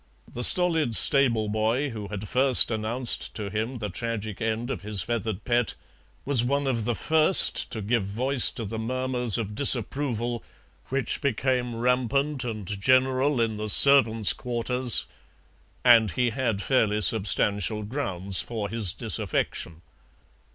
The stolid stable boy, who had first announced to him the tragic end of his feathered pet, was one of the first to give voice to the murmurs of disapproval which became rampant and general in the servants' quarters, and he had fairly substantial grounds for his disaffection.